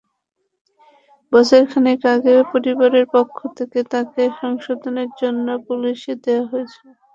বছর খানেক আগে পরিবারের পক্ষ থেকে তাঁকে সংশোধনের জন্য পুলিশে দেওয়া হয়েছিল।